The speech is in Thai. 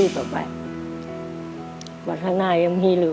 ต่อไปวาทนายังไม่รู้